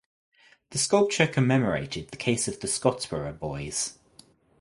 The sculpture commemorated the case of the Scottsboro Boys.